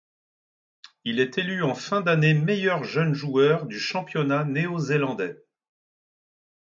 Il est élu en fin d'année meilleur jeune joueur du championnat néo-zélandais.